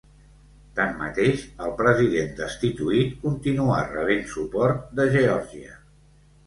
Tanmateix, el president destituït continuà rebent suport de Geòrgia.